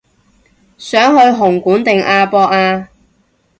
想去紅館定亞博啊